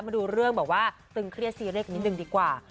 มาดูเรื่องแบบว่าตึงเครียดซีเรียสกันนิดนึงดีกว่า